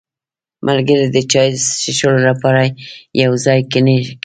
• ملګري د چای څښلو لپاره یو ځای کښېناستل.